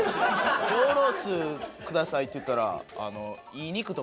「上ロースください」って言ったら。